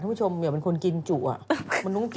สวัสดีค่าข้าวใส่ไข่